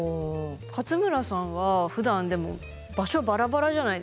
勝村さんはふだんでも場所バラバラじゃないですか。